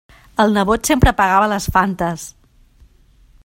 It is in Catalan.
El nebot sempre pagava les Fantes.